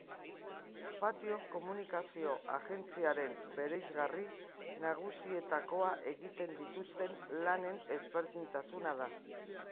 Patio komunikazio agentziaren bereizgarri nagusietakoa egiten dituzten lanen ezberdintasuna da.